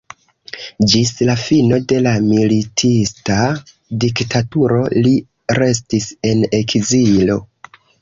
Ĝis la fino de la militista diktaturo li restis en ekzilo.